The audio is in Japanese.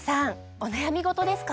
お悩み事ですか？